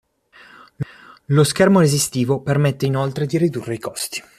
Lo schermo resistivo permette inoltre di ridurre i costi.